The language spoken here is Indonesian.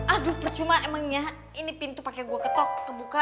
aduh cuma emangnya ini pintu pake gua ketok kebuka